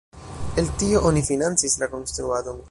El tio oni financis la konstruadon.